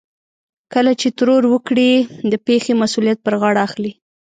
کله چې ترور وکړي د پېښې مسؤليت پر غاړه اخلي.